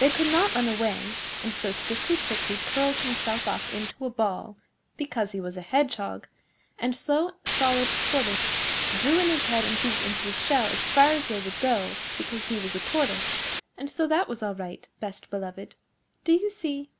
They could not run away, and so Stickly Prickly curled himself up into a ball, because he was a Hedgehog, and Slow Solid Tortoise drew in his head and feet into his shell as far as they would go, because he was a Tortoise; and so that was all right, Best Beloved. Do you see?